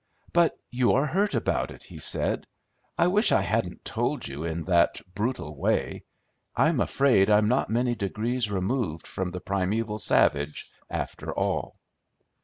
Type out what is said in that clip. "But you are hurt about it," he said. "I wish I hadn't told you in that brutal way. I'm afraid I'm not many degrees removed from the primeval savage, after all."